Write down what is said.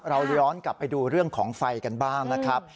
เราย้อนกลับไปดูเรื่องของไฟกันบ้างนะครับ